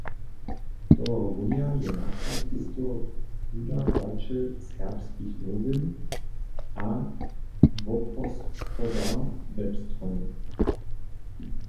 Tohorunja je nakładnistwo wudawaćel Serbskich Nowin a wobhospodar web-strony.